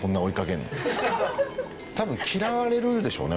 多分嫌われるでしょうね